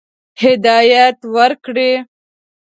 هدایت ورکړي.